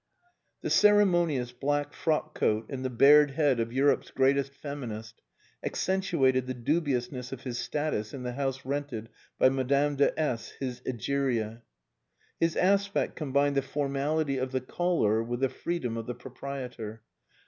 The ceremonious black frock coat and the bared head of Europe's greatest feminist accentuated the dubiousness of his status in the house rented by Madame de S , his Egeria. His aspect combined the formality of the caller with the freedom of the proprietor.